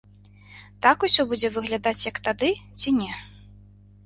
Так усё будзе выглядаць, як тады, ці не?